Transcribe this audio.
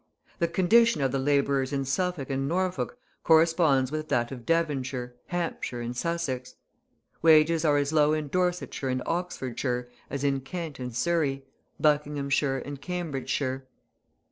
The condition of the labourers in Suffolk and Norfolk corresponds with that of Devonshire, Hampshire, and Sussex. Wages are as low in Dorsetshire and Oxfordshire as in Kent and Surrey, Buckinghamshire and Cambridgeshire.